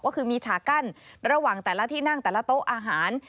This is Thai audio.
ก็คือมีฉากกั้นระหว่างแต่ละที่นั่งแต่ละโต๊ะอาหาร